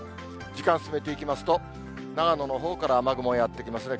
時間進めていきますと、長野のほうから雨雲がやって来ますね。